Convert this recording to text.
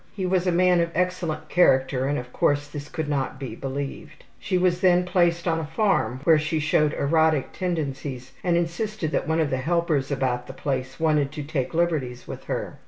He was a man of excellent character and of course this could not be believed. She was then placed on a farm, where she showed erotic tendencies and insisted that one of the helpers about the place wanted to take liberties with her.